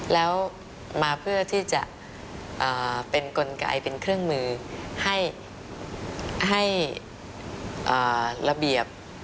แล้วมาเพื่อที่จะเป็นกลไกเป็นเครื่องมือให้ระเบียบ